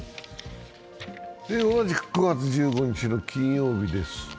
同じく９月１５日の金曜日です。